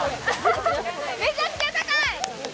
めちゃくちゃ高い！